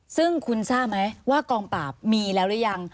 ซึ่งคุณทราบไหมว่ากองปราบมีแล้วหรือยัง